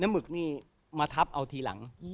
หมึกนี่มาทับเอาทีหลัง